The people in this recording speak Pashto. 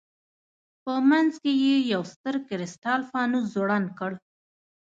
په منځ کې یې یو ستر کرسټال فانوس ځوړند کړ.